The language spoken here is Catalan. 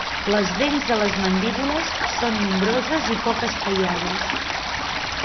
Les dents de les mandíbules són nombroses i poc espaiades.